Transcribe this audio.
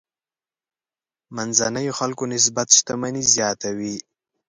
منځنيو خلکو نسبت شتمني زیاته وي.